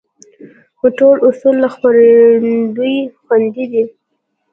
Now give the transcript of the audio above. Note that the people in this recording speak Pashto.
ټول اصول له خپرندوى خوندي دي.